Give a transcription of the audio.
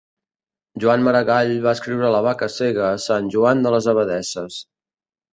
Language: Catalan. Joan Maragall va escriure la vaca cega a Sant Joan de les Abadesses.